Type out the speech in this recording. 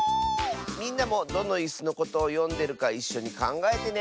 みんなもどのいすのことをよんでるかいっしょにかんがえてね！